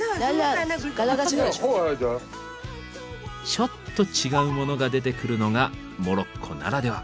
ちょっと違うモノが出てくるのがモロッコならでは。